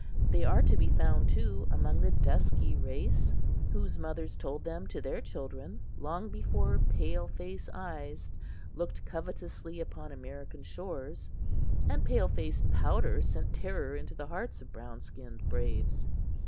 They are to be found, too, among the dusky race whose mothers told them to their children long before pale face eyes looked covetously upon American shores and pale face powder sent terror into the hearts of brown skinned braves.